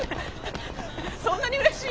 そんなにうれしい？